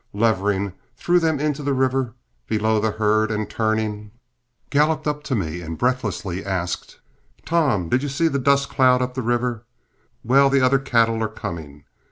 Levering threw them into the river below the herd, and turning, galloped up to me and breathlessly asked: "Tom, did you see that dust cloud up the river? Well, the other cattle are coming.